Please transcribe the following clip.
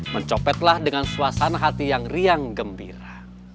mencopetlah dengan suasana hati yang riang gembira